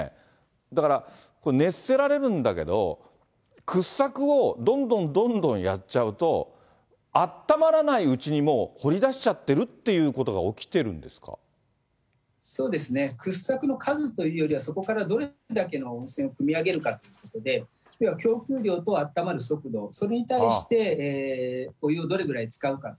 だから熱せられるんだけども、掘削をどんどんどんどんやっちゃうと、あったまらないうちにもう掘りだしちゃってるっていうことが起きそうですね、掘削の数というよりは、そこからどれだけの温泉をくみ上げるかということで、供給量とあったまる速度、それに対して、お湯をどれぐらい使うかと。